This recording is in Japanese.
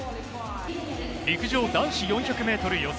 陸上男子４００ｍ予選。